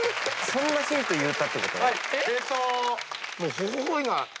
そんなヒントを言うたってこと？